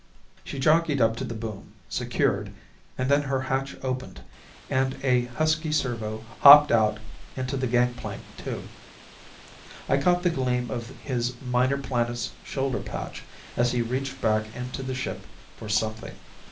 She jockeyed up to the boom, secured, and then her hatch opened and a husky servo hopped out into the gangplank tube. I caught the gleam of his Minor Planets shoulder patch as he reached back into the ship for something.